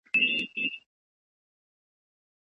ابن خلدون تر ټولو ستر مسلمان پوه و.